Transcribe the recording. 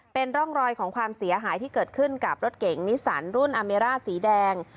เป็นร่องรอยของความเสียหายที่เกิดขึ้นกับรถเก๋งนิสันรุ่นอาเมร่าสีแดง